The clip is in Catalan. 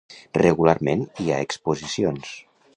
Regularment hi ha exposicions.